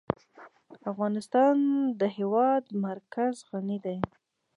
افغانستان په د هېواد مرکز غني دی.